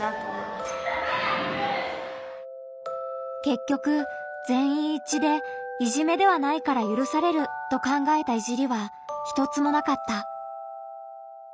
けっきょくぜんいん一致でいじめではないからゆるされると考えたいじりは一つもなかった。